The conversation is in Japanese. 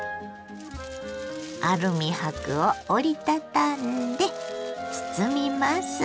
アルミ箔を折り畳んで包みます。